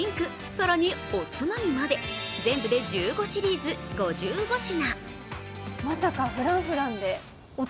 さらにおつまみまで全部で１５シリーズ、５５品。